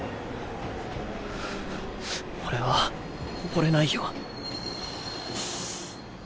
俺は溺れないよ。